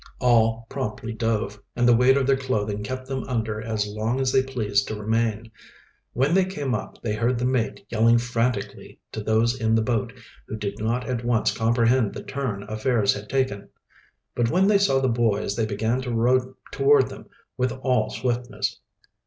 All promptly dove, and the weight of their clothing kept them under as long as they pleased to remain. When they came up they heard the mate yelling frantically to those in the boat, who did not at once comprehend the turn affairs had taken. [Illustration: CAPTAIN LANGLESS CAUGHT HIM BY THE HAIR] But when they saw the boys they began to row toward them with all swiftness.